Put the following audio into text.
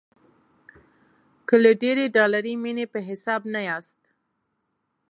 که له ډېرې ډالري مینې په حساب نه یاست.